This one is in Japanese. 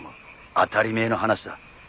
当たり前の話だ。